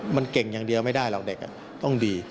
มันเก่งอย่างเดียวไม่ได้หรอกเด็กต้องดี